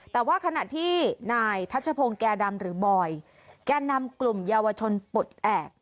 แต่ว่าขณะที่นายทัชพงศ์แก่ดำหรือบอยแก่นำกลุ่มเยาวชนปลดแอบ